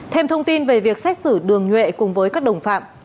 thêm thông tin về việc xét xử đường nhuệ cùng với các đồng phạm